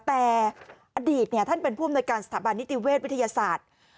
แต่อดีตท่านเป็นผู้อำนวยการสถาบันนิติเวชวิทยาศาสตร์